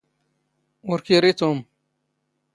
ⵓⵔ ⴽ ⵉⵔⵉ ⵜⵓⵎ.